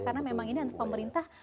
karena memang ini untuk pemerintah